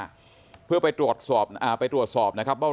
เป็นพื้นที่ชายแดนไทยพามาเพื่อไปตรวจสอบไปตรวจสอบนะครับ